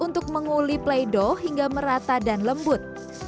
untuk menguli play doh hingga merata dan lembut